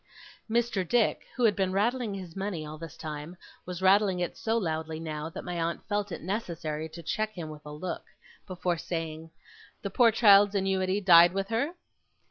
Mr. Dick, who had been rattling his money all this time, was rattling it so loudly now, that my aunt felt it necessary to check him with a look, before saying: 'The poor child's annuity died with her?